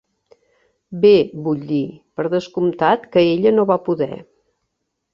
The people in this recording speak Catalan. Bé, vull dir, per descomptat que ella no va poder.